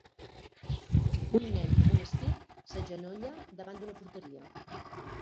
Un nen amb un estic s'agenolla davant d'una porteria